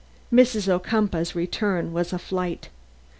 Mrs. Ocumpaugh's return was a flight.